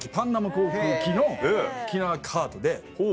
航空機の機内カートで。